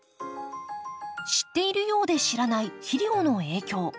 知っているようで知らない肥料の影響。